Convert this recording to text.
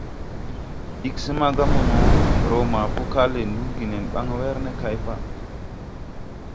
Ig go smaga mono, roo ma po kal le nduugi nen baŋ wer ne kay paʼ.